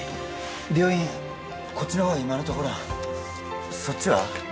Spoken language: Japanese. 病院こっちのほうは今のところそっちは？